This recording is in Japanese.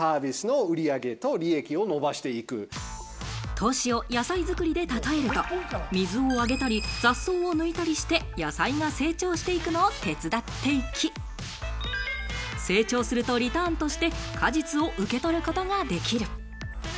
投資を野菜作りで例えると、水をあげたり雑草を抜いたりして野菜が成長していくのを手伝っていき、成長するとリターンとして、果実を受け取ることができる。